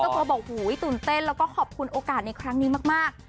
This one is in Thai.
เธอบอกหูยตื่นเต้นแล้วก็ขอบคุณโอกาสในครั้งนี้มาก